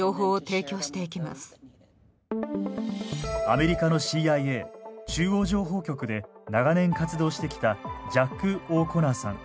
アメリカのＣＩＡ中央情報局で長年活動してきたジャック・オーコナーさん。